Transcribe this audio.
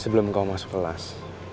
sebelum kamu masuk kelas